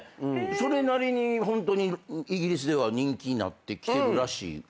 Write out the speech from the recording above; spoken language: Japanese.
それなりにイギリスでは人気になってきてるらしくて。